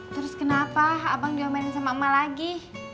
terus kenapa abang nyomanin sama emak lagi